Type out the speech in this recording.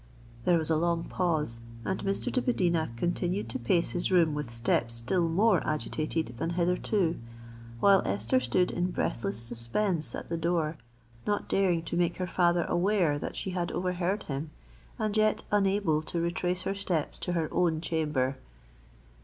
There was a long pause; and Mr. de Medina continued to pace his room with steps still more agitated than hitherto—while Esther stood in breathless suspense at the door, not daring to make her father aware that she had overheard him, and yet unable to retrace her steps to her own chamber.